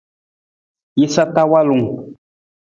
Jasa ta walung.